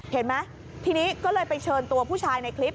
เห็นไหมทีนี้ก็เลยไปเชิญตัวผู้ชายในคลิป